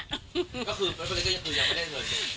ก็คือไม่ได้เงิน